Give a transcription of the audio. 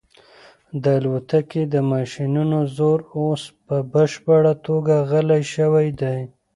د الوتکې د ماشینونو زور اوس په بشپړه توګه غلی شوی دی.